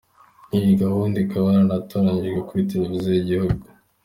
Iyi gahunda ikaba yaranatangajwe kuri Televiziyo y’igihugu.